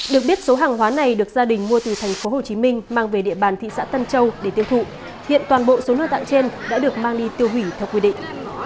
được biết số hàng hóa này được gia đình mua từ thành phố hồ chí minh mang về địa bàn thị xã tân châu để tiêu thụ hiện toàn bộ số nội tạng trên đã được mang đi tiêu hủy theo quy định